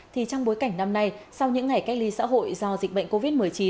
thì trong bối cảnh năm nay sau những ngày cách ly xã hội do dịch bệnh covid một mươi chín